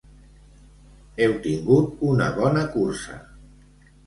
Heu tingut una bona cursa!